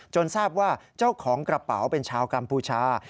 ทราบว่าเจ้าของกระเป๋าเป็นชาวกัมพูชา